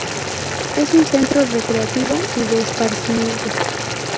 Es un centro recreativo y de esparcimiento.